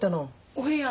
お部屋。